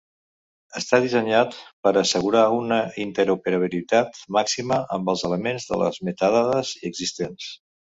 Està dissenyat per a assegurar una interoperabilitat màxima amb els elements de les metadades existents.